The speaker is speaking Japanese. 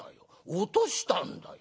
落としたんだよ。